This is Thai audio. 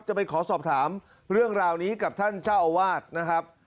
ไปขอสอบถามเรื่องราวนี้กับท่านเจ้าอาวาสนะครับ